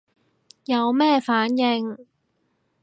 有咩反應